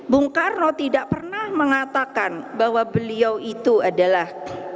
bung karno tidak pernah mengatakan bahwa beliau itu adalah